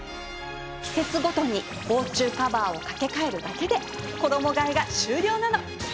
季節ごとに防虫カバーを掛け替えるだけで衣替えが終了なの。